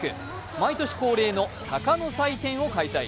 毎年恒例の鷹の祭典を開催。